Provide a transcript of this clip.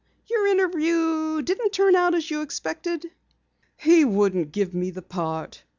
"Your interview didn't turn out as you expected?" "He wouldn't give me the part.